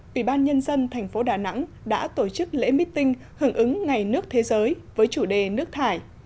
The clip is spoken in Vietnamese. ủy ban nhân dân thành phố đà nẵng đã tổ chức lễ meeting hưởng ứng ngày nước thế giới với chủ đề nước thải